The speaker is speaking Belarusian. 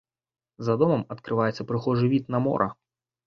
За домам адкрываецца прыгожы від на мора.